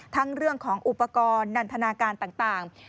เรื่องของอุปกรณ์นันทนาการต่าง